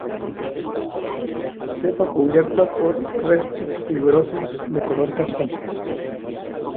Cepa cubierta por restos fibrosos de color castaño.